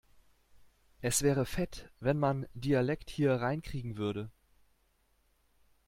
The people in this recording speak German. Es wäre fett, wenn man Dialekt hier reinkriegen würde.